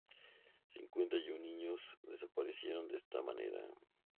Cincuenta y un niños desaparecieron de esta manera.